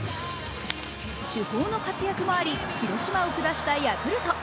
主砲の活躍もあり広島を下したヤクルト。